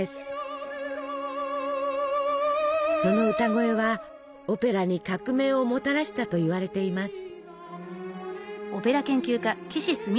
その歌声はオペラに革命をもたらしたといわれています。